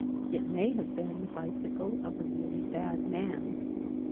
It may have been the bicycle of a Really Bad Man.